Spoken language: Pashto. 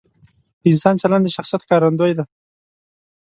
د انسان چلند د شخصیت ښکارندوی دی.